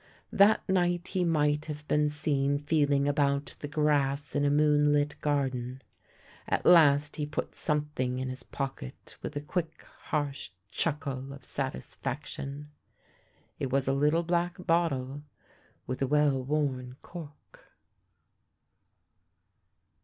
That night he might have been seen feehng about the grass in a moon Ht garden. At last he put some thing in his pocket with a quick, harsh chuckle of satisfaction. It was a little black bottle with a well worn cork.